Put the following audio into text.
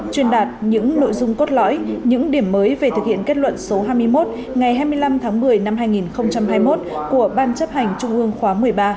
truyền đạt những nội dung cốt lõi những điểm mới về thực hiện kết luận số hai mươi một ngày hai mươi năm tháng một mươi năm hai nghìn hai mươi một của ban chấp hành trung ương khóa một mươi ba